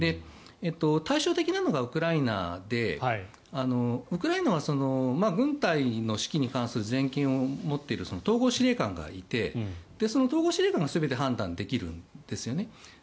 対照的なのがウクライナでウクライナは軍隊の指揮に関する全権を持っている統合司令官がいてその統合司令官が全て判断できるんですよね。